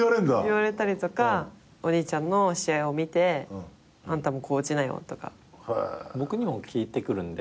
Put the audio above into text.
言われたりとかお兄ちゃんの試合を見て「あんたもこう打ちなよ」とか。僕にも聞いてくるんで。